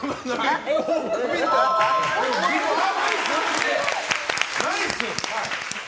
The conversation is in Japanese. あ、ナイス！